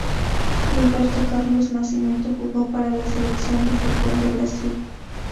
Gilberto Carlos Nascimento jugó para la selección de fútbol de Brasil.